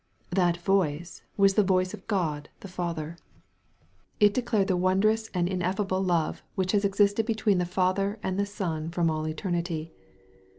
That voice was the voice of God the Father. It MARK, CHAP. I. 7 declared the wondrous and ineffable love which has existed between the Father and the Son from all eter nity.